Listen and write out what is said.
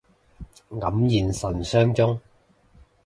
黯然神傷中